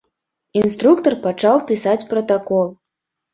Інструктар пачаў пісаць пратакол.